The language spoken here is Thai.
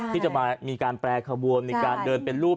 ที่จะมามีการแปรขบวนมีการเดินเป็นรูป